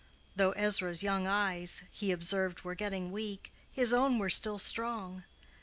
Though Ezra's young eyes he observed were getting weak, his own were still strong.